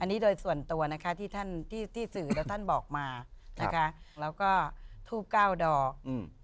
อันนี้โดยส่วนตัวนะคะที่ท่านที่ที่สื่อแล้วท่านบอกมานะคะแล้วก็ทูบเก้าดอกอืม